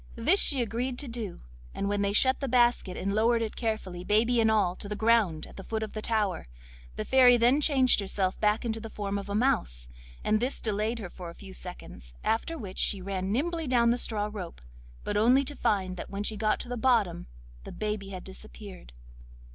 This she agreed to do, and then they shut the basket and lowered it carefully, baby and all, to the ground at the foot of the tower. The Fairy then changed herself back into the form of a mouse, and this delayed her a few seconds, after which she ran nimbly down the straw rope, but only to find when she got to the bottom that the baby had disappeared.